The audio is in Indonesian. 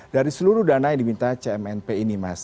dari seluruh dana yang diminta cmnp ini mas